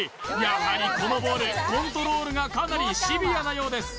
やはりこのボールコントロールがかなりシビアなようです